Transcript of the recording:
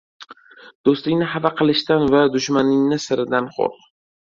• Do‘stingni xafa qilishdan va dushmanning siridan qo‘rq.